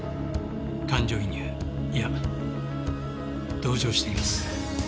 感情移入いや同情しています。